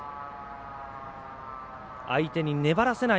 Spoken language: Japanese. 相手に粘らせない